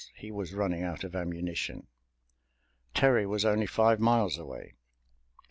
He was running out of ammunition. Terry was only five miles away.